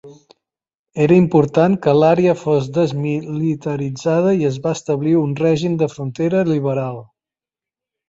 Era important que l'àrea fos desmilitaritzada i es va establir un règim de frontera liberal.